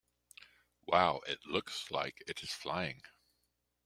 Wow! It looks like it is flying!